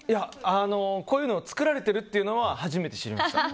こういうのを作られてるのは初めて知りました。